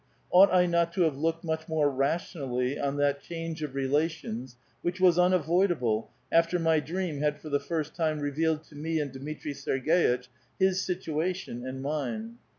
Ought I not to have looked much more rationally on that change of relations which was unavoidable, after my dream had for the first time revealed to me and Dmitri Ser g^itch his situation and mine